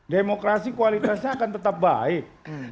demokrasi kualitasnya akan tetap baik